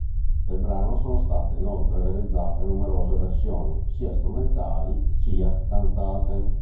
Del brano sono state inoltre realizzate numerose versioni, sia strumentali sia cantate.